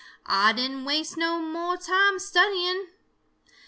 Ah didn't waste no mo' time studying.